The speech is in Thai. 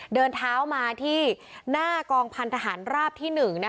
เดินเท้ามาที่หน้ากองพันธหารราบที่๑